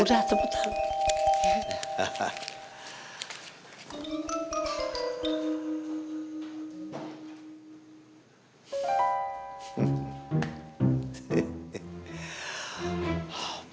udah tepuk tangan